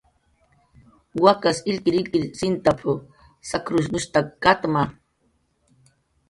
"Wakas illkirillkir sintap"" sakrunshtak katma"